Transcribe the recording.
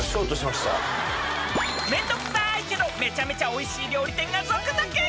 面倒くさいけどめちゃくちゃおいしい料理店が続々！